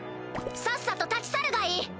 さっさと立ち去るがいい！